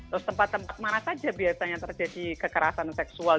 terus tempat tempat mana saja biasanya terjadi kekerasan seksual